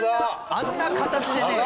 あんな形でね。